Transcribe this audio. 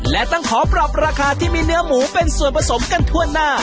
และต้องขอปรับราคาที่มีเนื้อหมูเป็นส่วนผสมกันทั่วหน้า